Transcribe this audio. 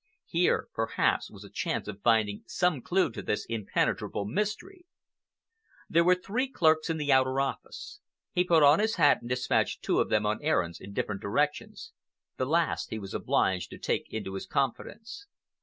Here, perhaps, was a chance of finding some clue to this impenetrable mystery. There were thee clerks in the outer office. He put on his hat and despatched two of them on errands in different directions. The last he was obliged to take into his confidence.